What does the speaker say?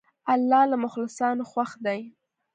الله له مخلصانو خوښ دی.